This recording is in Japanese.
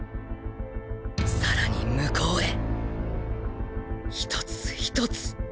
更に向こうへ一つ一つ